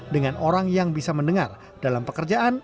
dengan orang yang bisa mendengar dalam pekerjaan